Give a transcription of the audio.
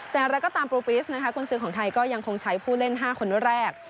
แต่เราก็ตามปรุปิศคุณศึกของไทยก็ยังคงใช้ผู้เล่น๕คนแรก